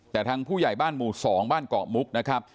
แต่ทางผู้ใหญ่บ้านหมู่๒บ้านเกาะมุกนะครับ